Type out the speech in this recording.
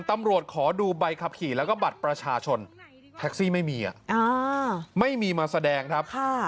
ตำรวจขอดูใบขับขี่แล้วก็บัตรประชาชนแท็กซี่ไม่มีไม่มีมาแสดงครับ